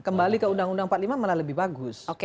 kembali ke undang undang empat puluh lima malah lebih bagus